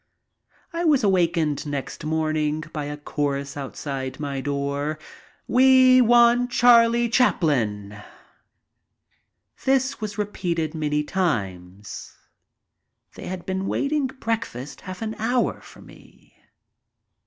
I was awakened next morning by a chorus outside my door : "We want Charlie Chaplin." This was repeated many times. They had been waiting breakfast half an hour for me.